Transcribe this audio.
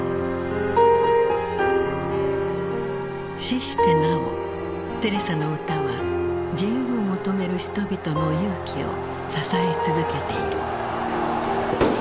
死してなおテレサの歌は自由を求める人々の勇気を支え続けている。